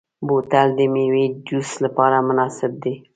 بوتل د میوې جوس لپاره مناسب دی.